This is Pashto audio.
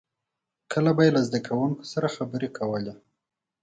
• کله به یې له زدهکوونکو سره خبرې کولې.